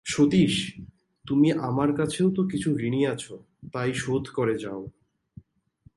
সতীশ, তুমি আমার কাছেও তো কিছু ঋণী আছ, তাই শোধ করে যাও।